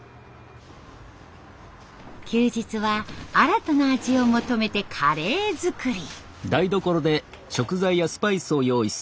休日は新たな味を求めてカレー作り。